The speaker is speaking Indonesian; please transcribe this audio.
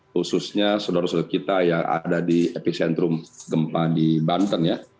khususnya saudara saudara kita yang ada di epicentrum gempa di banten ya